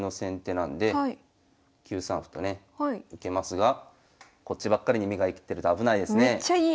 なんで９三歩とね受けますがこっちばっかりに目が行ってると危ないですね。